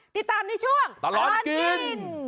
ติดตามในช่วงตลอดกิน